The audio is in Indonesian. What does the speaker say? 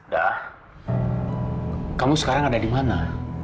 dah kamu sekarang ada di mana